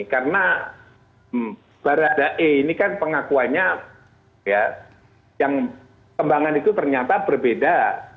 karena barada e ini kan pengakuannya yang kembangan itu ternyata berbeda